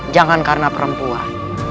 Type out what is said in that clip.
jangan karena perempuan